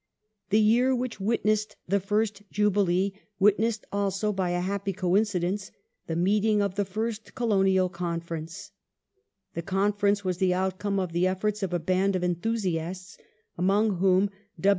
The year which witnessed the first Jubilee witnessed also, by a imperial happy coincidence, the meeting of the first Colonial Conference, co opera The Conference was the outcome of the efforts of a band of en thusiasts among whom W.